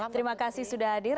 terima kasih sudah hadir